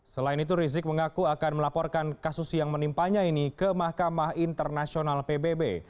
selain itu rizik mengaku akan melaporkan kasus yang menimpanya ini ke mahkamah internasional pbb